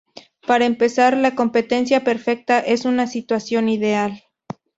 Para empezar, la "competencia perfecta" es una situación "ideal".